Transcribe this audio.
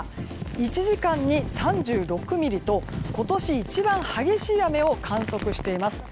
１時間に３６ミリと今年一番激しい雨を観測しています。